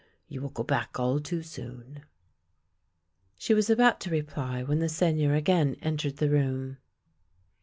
You will go back all too soon." She was about to reply when the Seigneur again entered the room.